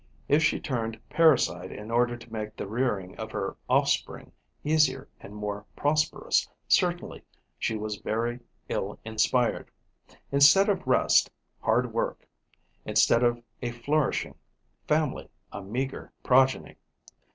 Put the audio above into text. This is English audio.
If she turned parasite in order to make the rearing of her offspring easier and more prosperous, certainly she was very ill inspired. Instead of rest, hard work; instead of a flourishing family, a meagre progeny.